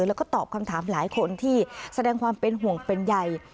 แล้วก็ตอบคำถามหลายคนที่แสดงความเป็นห่วงเป็นใย